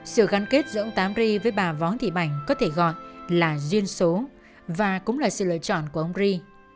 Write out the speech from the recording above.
sự gắn kết giữa ông tám ri với bà võ thị bảnh có thể gọi là duyên số và cũng là sự lựa chọn của ông ri